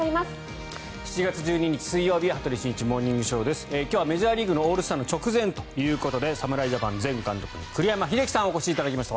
７月１２日、水曜日「羽鳥慎一モーニングショー」。今日はメジャーリーグのオールスターの直前ということで侍ジャパン前監督の栗山英樹さんにお越しいただきました。